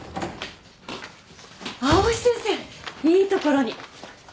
藍井先生いいところに。